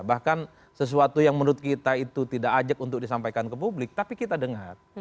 bahkan sesuatu yang menurut kita itu tidak ajak untuk disampaikan ke publik tapi kita dengar